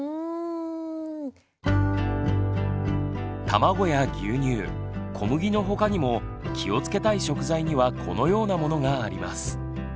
卵や牛乳小麦のほかにも気をつけたい食材にはこのようなものがあります。